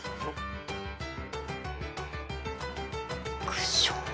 クッション？